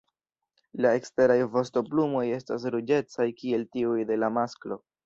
La eksteraj vostoplumoj estas ruĝecaj kiel tiuj de la masklo.